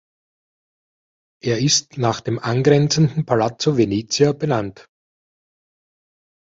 Er ist nach dem angrenzenden Palazzo Venezia benannt.